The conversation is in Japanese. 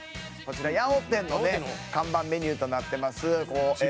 「こちら八尾店のね看板メニューとなってます」